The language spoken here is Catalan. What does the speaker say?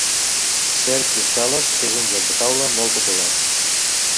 Serps i escales és un joc de taula molt popular